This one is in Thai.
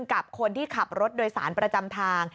กับคนที่ขับรถโดยสารประจำทาง